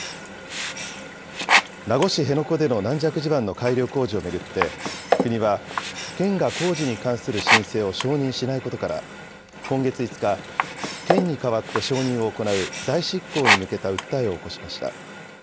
名護市辺野古での軟弱地盤の改良工事を巡って、国は、県が工事に関する申請を承認しないことから、今月５日、県に代わって承認を行う、代執行に向けた訴えを起こしました。